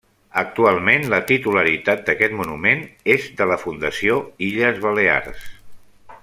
Actualment la titularitat d'aquest monument és de la Fundació Illes Balears.